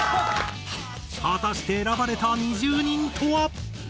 果たして選ばれた２０人とは？